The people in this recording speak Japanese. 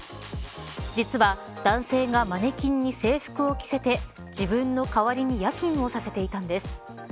実は男性がマネキンに制服を着せて自分の代わりに夜勤をさせていたんです。